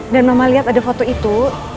dan mama lihat ada foto itu